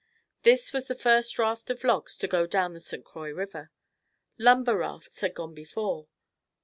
This was the first raft of logs to go down the St. Croix river. Lumber rafts had gone before.